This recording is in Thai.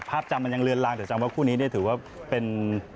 จำมันยังเลือนลางแต่จำว่าคู่นี้เนี่ยถือว่าเป็น